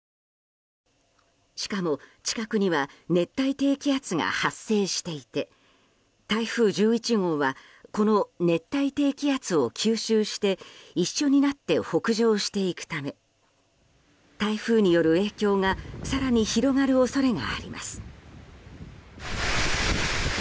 しかも、近くには熱帯低気圧が発生していて台風１１号はこの熱帯低気圧を吸収して一緒になって北上していくため台風による影響が更に広がる恐れがあります。